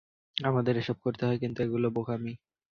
আমাদের এসব করতে হয়, কিন্তু এগুলো বোকামি।